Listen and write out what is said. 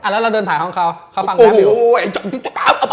แล้วเราเดินผ่านห้องเขาเขาฟังน้ำดิว